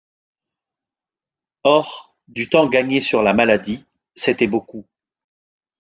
Or, du temps gagné sur la maladie, c’était beaucoup